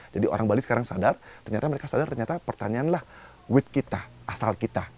jadi orang bali sekarang sadar ternyata mereka sadar ternyata pertanian lah wit kita asal kita